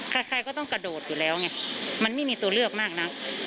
ใครก็ต้องกระโดดอยู่แล้วไงมันไม่มีตัวเลือกมากนัก